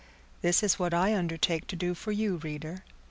This is what I undertake to do for you, reader.